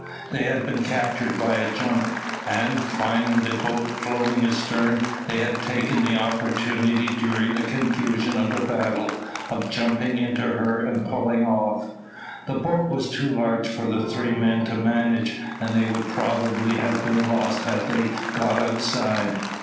They had been captured by a junk, and, finding the boat floating astern, they had taken the opportunity, during the confusion of the battle, of jumping into her and pulling off. The boat was too large for the three men to manage, and they would probably have been lost had they got outside.